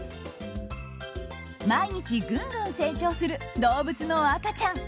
毎日グングン成長する動物の赤ちゃん。